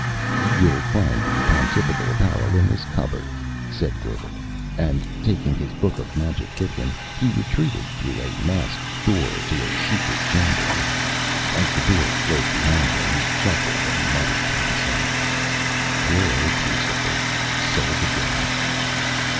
"You will find the Pontifical apparel in this cupboard," said Gerbert, and, taking his book of magic with him, he retreated through a masked door to a secret chamber. As the door closed behind him he chuckled, and muttered to himself, "Poor old Lucifer! Sold again!"